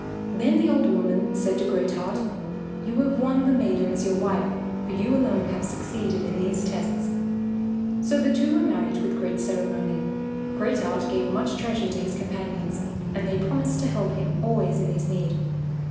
Then the old woman said to Great Heart, "You have won the maiden as your wife, for you alone have succeeded in these tests." So the two were married with great ceremony. Great Heart gave much treasure to his companions, and they promised to help him always in his need.